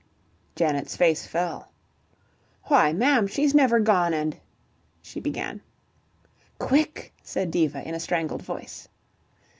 Janet's face fell. "Why, ma'am, she's never gone and " she began. "Quick!" said Diva in a strangled voice.